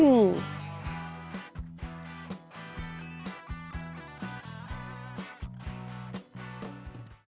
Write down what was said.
โปรดติดตามตอนต่อไป